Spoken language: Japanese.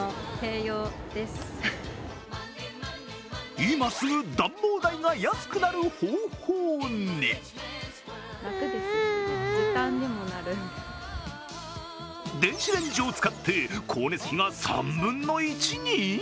今すぐ暖房代が安くなる方法に電子レンジを使って光熱費が３分の１に！？